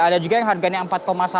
ada juga yang harganya rp empat seratus